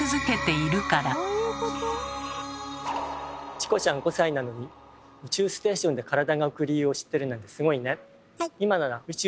チコちゃん５歳なのに宇宙ステーションで体が浮く理由を知ってるなんてすごいね。